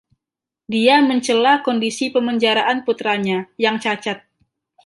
Dia mencela kondisi pemenjaraan putranya, yang cacat.